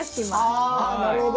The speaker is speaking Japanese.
あなるほど。